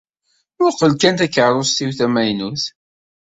Mmuqqel kan takeṛṛust-iw tamaynut.